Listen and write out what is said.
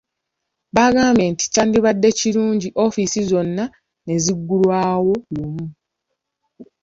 Baagambye nti kyandibadde kirungi ofiisi zonna ne ziggulawo lumu.